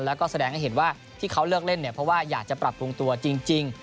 แล้วก็แสดงให้เห็นว่าที่เขาเลือกเล่นเนี่ยเพราะว่าอยากจะปรับปรุงตัวจริง